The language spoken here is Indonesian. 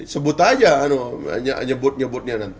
sebut aja nyebut nyebutnya nanti